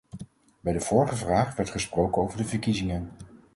Bij de vorige vraag werd gesproken over de verkiezingen.